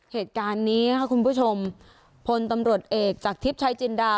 เหตุการณ์นี้นะคะคุณผู้ชมพลตำรวจเอกจากทิพย์ชายจินดา